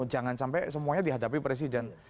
jangan sampai semuanya dihadapi presiden